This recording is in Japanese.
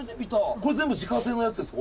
これ全部自家製のやつですか？